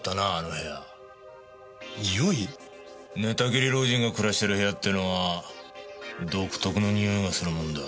寝たきり老人が暮らしてる部屋っていうのは独特のにおいがするもんだ。